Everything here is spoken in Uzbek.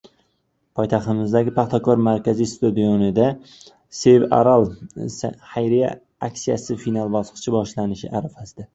Poytaxtimizdagi «Paxtakor» markaziy stadionida «Save Aral» xayriya aksiyasining final bosqichi boshlanish arafasida!